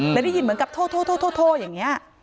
แล้วได้ยินเหมือนกับโทษอย่างนี้